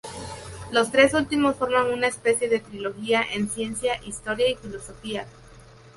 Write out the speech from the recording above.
Los tres últimos forman una especie de trilogía en Ciencia, Historia y Filosofía.